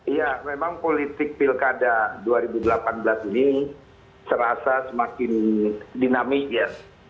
iya memang politik pilkada dua ribu delapan belas ini serasa semakin dinamik ya